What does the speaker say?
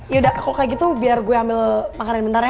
iya udah kalo kaya gitu biar gue ambil makanan bentar ya